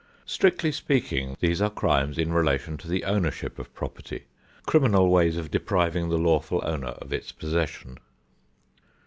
Strictly speaking, these are crimes in relation to the ownership of property; criminal ways of depriving the lawful owner of its possession.